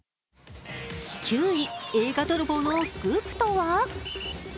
９位、映画泥棒のスクープとは。